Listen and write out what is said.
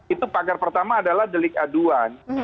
itu pagar pertama adalah delik aduan